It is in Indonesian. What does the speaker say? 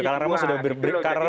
karena romo sudah berbicara